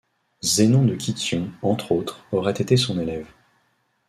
Zénon de Kition, entre autres, aurait été son élève.